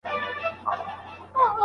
ژوند د توبې د قبلېدو یو ښه چانس دی.